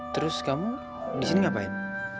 terus kamu di sini ngapain